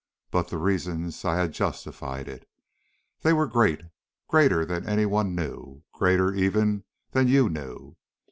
But the reasons I had justified it. They were great, greater than any one knew, greater even than you knew.